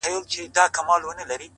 زما خوله كي شپېلۍ اشنا.